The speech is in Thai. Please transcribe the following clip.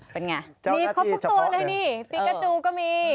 เป็นไงมีครอบครัวแล้วนี่ฟิกาจูก็มี